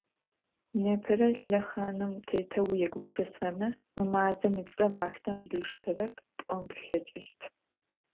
Непэрэ лъэхъаным тетэу уегупшысэмэ, мы мазэм ыцӏэ уахътэм диштэрэп пӏон плъэкӏыщт.